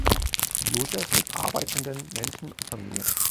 Josef mit arbeitenden Menschen und Familie.